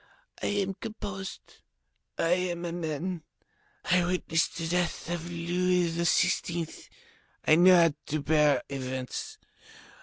I am composed, I am a man, I witnessed the death of Louis XVI., I know how to bear events.